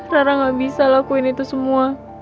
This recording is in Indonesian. rara gak bisa lakuin itu semua